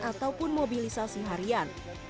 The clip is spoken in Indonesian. ataupun mobilisasi harian